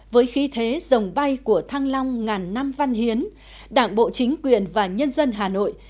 với khí thế dòng bay của thăng long ngàn năm văn hiến đảng bộ chính quyền và nhân dân hà nội